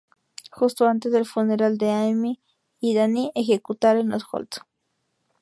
Justo antes del funeral de Amy y Dan ejecutar en los Holt.